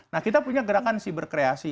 nah kita punya gerakan siberkreasi